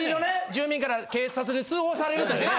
住民から警察に通報されるというね。